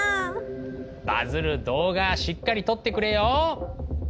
バズる動画しっかり撮ってくれよ。